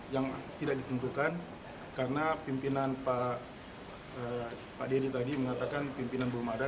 yang tidak ditentukan karena pimpinan pak dedy tadi mengatakan pimpinan belum ada